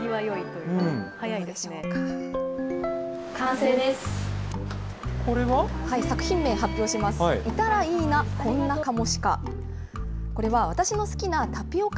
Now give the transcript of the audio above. いたらいいなこんなカモシカ。